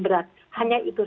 berat hanya itu